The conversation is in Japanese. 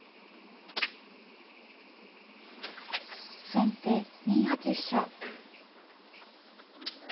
先手２八飛車。